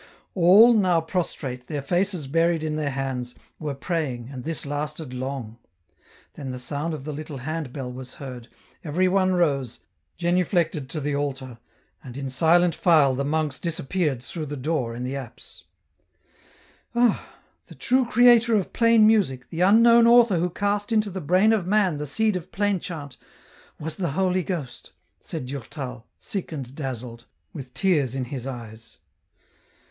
All, now prostrate, their faces buried in their hands, were praying, and this lasted long ; then the sound of the little hand bell was heard, everyone rose, genuflected to the altar, and in silent file the monks disappeared through the door m the apse. " Ah ! the true creator of plain music, the unknown author who cast into the brain of man the seed of plain chant, was the Holy Ghost," said Durtal, sick and dazzled, with tears in his eyes.